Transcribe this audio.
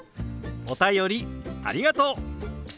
お便りありがとう！